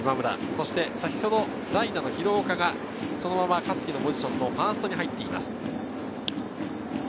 そして先ほど代打の廣岡が、そのまま香月のポジション、ファーストに入っています。